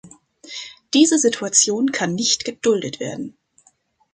Diese Situation kann nicht geduldet werden.